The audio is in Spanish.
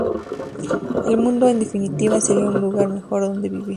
El mundo en definitiva sería un lugar mejor donde vivir.